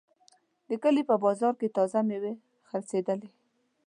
د کلي په بازار کې تازه میوې خرڅېدلې.